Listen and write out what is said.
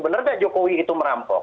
bener gak jokowi itu merampok